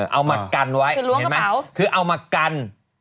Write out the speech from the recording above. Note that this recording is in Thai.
เอามากันไว้เห็นไหมคือเอามากัน